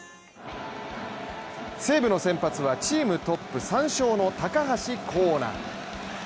西武の先発はチームトップ３勝の高橋光成。